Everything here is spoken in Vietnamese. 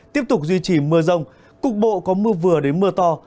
tiếp tục duy trì mưa rông cục bộ có mưa vừa đến mưa to